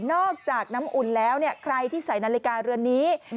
น้ำจากน้ำอุ่นแล้วใครที่ใส่นาฬิกาเรือนนี้